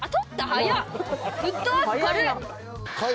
早っ！